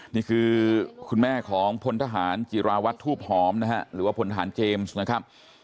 นี่คือคุณแม่ของพลทหารจิราวัตรทูบหอมนะฮะหรือว่าพลทหารเจมส์นะครับ